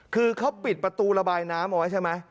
คือเขาปิดประตูระบายน้ำเอาไว้ใช่ไหม